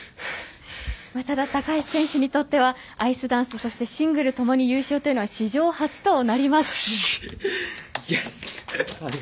ただ、高橋選手にとってはアイスダンスそしてシングルともに優勝というのはありがとうございます。